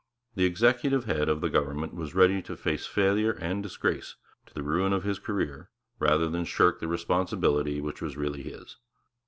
The executive head of the government was ready to face failure and disgrace, to the ruin of his career, rather than shirk the responsibility which was really his.